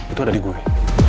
itu ada di gue